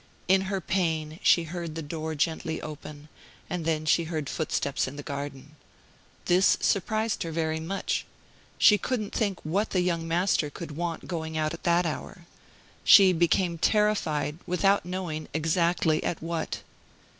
In her pain she heard the door gently open, and then she heard footsteps in the garden. This surprised her very much. She couldn't think what the young master could want going out at that hour. She became terrified without knowing exactly at what.